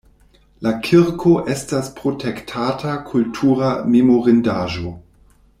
La kirko estas protektata kultura memorindaĵo.